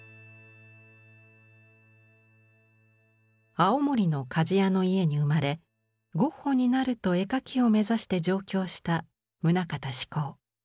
青森の鍛冶屋の家に生まれ「ゴッホになる」と絵描きを目指して上京した棟方志功。